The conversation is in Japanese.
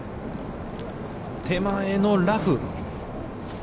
手前のラフ。